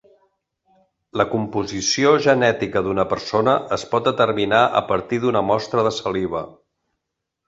La composició genètica d'una persona es pot determinar a partir d'una mostra de saliva.